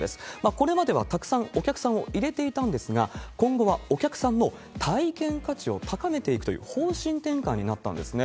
これまではたくさんお客さんを入れていたんですが、今後はお客さんの体験価値を高めていくという方針転換になったんですね。